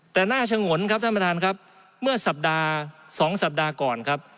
แต่หน้าฉงนครับท่านประธานครับเมื่อสัปดาห์๒สัปดาห์ก่อนครับ